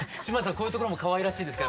こういうところもかわいらしいですか？